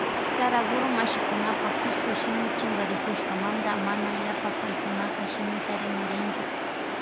Saraguro mashikunapa kichwa shimi chinkarikushkamanta mana yapa paykunapa shimita rimarinchu.